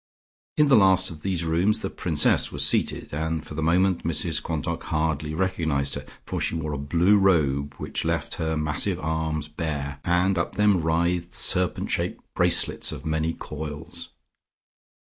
In the last of these rooms the Princess was seated, and for the moment Mrs Quantock hardly recognised her, for she wore a blue robe, which left her massive arms bare, and up them writhed serpent shaped bracelets of many coils.